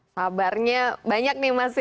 sabarnya banyak nih mas ya